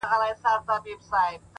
• چي هر چا ویل احسان د ذوالجلال وو ,